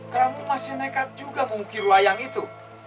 kamu masih nekat juga mungkin wayang itu